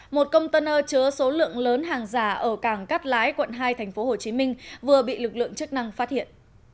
một container chứa số lượng lớn hàng giả ở cảng cát lái quận hai tp hcm vừa bị lực lượng chức năng phát hiện